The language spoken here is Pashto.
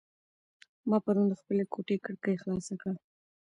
ما پرون د خپلې کوټې کړکۍ خلاصه کړه.